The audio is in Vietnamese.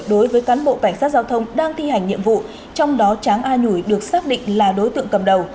đối với cán bộ cảnh sát giao thông đang thi hành nhiệm vụ trong đó tráng a nhủi được xác định là đối tượng cầm đầu